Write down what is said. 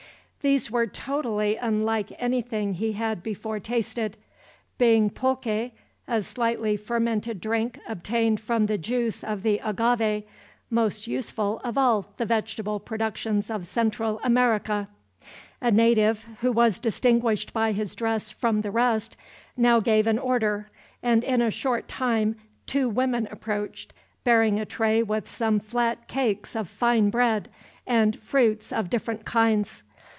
These were totally unlike anything he had before tasted; being pulque, a slightly fermented drink obtained from the juice of the agave, most useful of all the vegetable productions of Central America. A native, who was distinguished by his dress from the rest, now gave an order; and in a short time two women approached, bearing a tray with some flat cakes of fine bread, and fruits of different kinds.